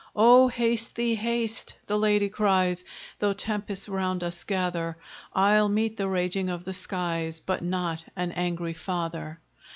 "O haste thee, haste!" the lady cries, "Though tempests round us gather, I'll meet the raging of the skies, But not an angry father."